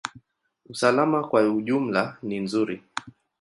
Usalama kwa ujumla ni nzuri.